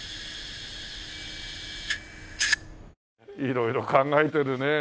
色々考えてるねえ。